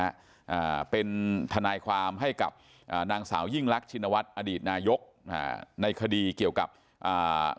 อ่าเป็นทนายความให้กับอ่านางสาวยิ่งรักชินวัฒน์อดีตนายกอ่าในคดีเกี่ยวกับอ่า